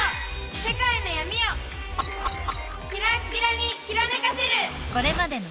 世界の闇をキラッキラにキラめかせる！